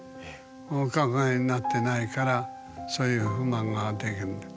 お伺いになってないからそういう不満ができるんだよ。